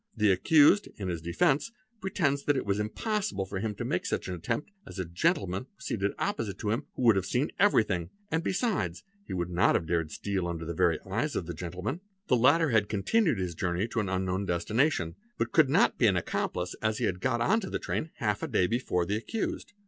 The accused — in his defence pretends that it was impossible for him to make such an attempt as a '"' gentleman' was seated opposite to him who would have seen everything; and besides he would not have dared to steal under the — very eyes of the gentleman. The latter had continued his journey to an _ unknown destination; but could not be an accomplice as he had got into the train half a day before the accused.